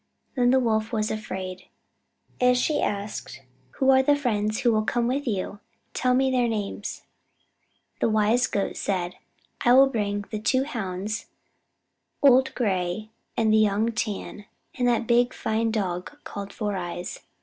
Then the Wolf was afraid, and she asked: "Who are the friends who will come with you? Tell me their names." The wise Goat said: "I will bring the two Hounds, Old Gray and Young Tan, and that fine big dog called Four Eyes.